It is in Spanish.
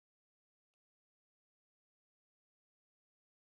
Где бы взять такую б..., чтоб на Лёньку поменять?